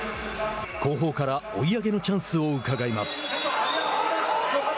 後方から追い上げのチャンスをうかがいます。